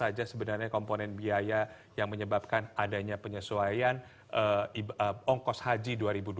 apa saja sebenarnya komponen biaya yang menyebabkan adanya penyesuaian ongkos haji dua ribu dua puluh